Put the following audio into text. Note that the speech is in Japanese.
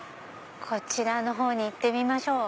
こちらのほうに行ってみましょう。